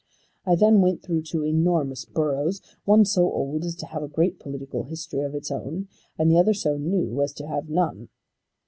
I then went through two enormous boroughs, one so old as to have a great political history of its own, and the other so new as to have none.